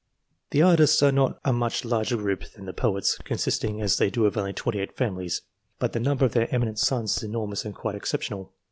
The Artists are not a much larger group than the Poets, consisting as they do of only 28 families, but the number of their eminent sons is enormous and quite exceptional.